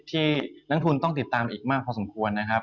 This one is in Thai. ที่นักทุนต้องติดตามอีกมากพอสมควรนะครับ